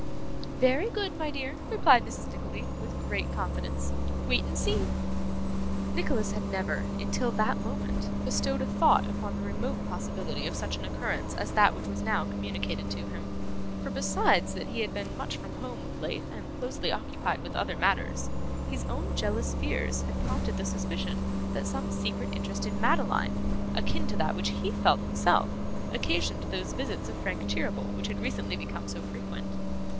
'Very good, my dear,' replied Mrs. Nickleby, with great confidence. 'Wait and see.' Nicholas had never, until that moment, bestowed a thought upon the remote possibility of such an occurrence as that which was now communicated to him; for, besides that he had been much from home of late and closely occupied with other matters, his own jealous fears had prompted the suspicion that some secret interest in Madeline, akin to that which he felt himself, occasioned those visits of Frank Cheeryble which had recently become so frequent.